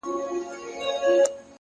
زړورتیا د نامعلوم پر لور قدم دی،